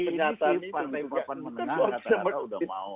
ternyata ini partai keuapan menengah